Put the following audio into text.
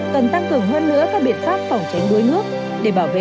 cần tăng cường hơn nữa các biện pháp phòng tránh đuối nước để bảo vệ trẻ em